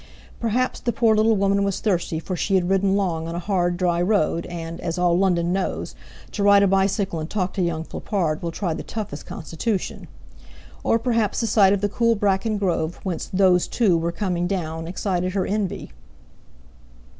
Perhaps the poor little woman was thirsty, for she had ridden long on a hard, dry road, and, as all London knows, to ride a bicycle and talk to young Flippard will try the toughest constitution; or perhaps the sight of the cool bracken grove, whence "those two" were coming down, excited her envy.